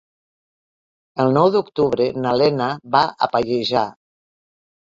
El nou d'octubre na Lena va a Pallejà.